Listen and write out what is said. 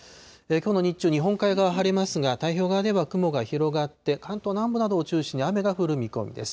きょうの日中、日本海側、晴れますが、太平洋側では雲が広がって、関東南部などを中心に雨が降る見込みです。